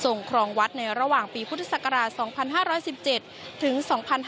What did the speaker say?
ครองวัดในระหว่างปีพุทธศักราช๒๕๑๗ถึง๒๕๕๙